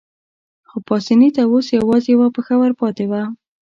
خو پاسیني ته اوس یوازې یوه پښه ورپاتې وه.